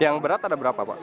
yang berat ada berapa pak